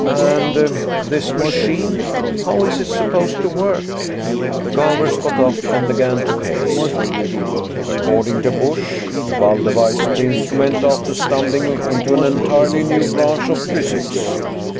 "And this machine, how is it supposed to work?" Garvers got up and began to pace. "According to Busch, Duvall devised the instrument after stumbling into an entirely new branch of physics.